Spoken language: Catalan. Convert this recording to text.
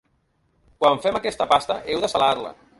Quan fem aquesta pasta heu de salar-la.